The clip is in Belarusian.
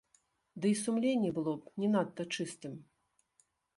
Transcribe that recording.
Ды і сумленне было б не надта чыстым.